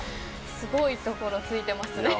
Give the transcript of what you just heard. すごいところ突いていますね。